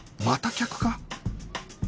また客か？